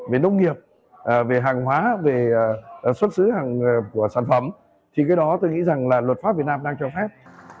về nông nghiệp về hàng hóa về xuất xứ của sản phẩm thì cái đó tôi nghĩ rằng là luật pháp việt nam đang cho phép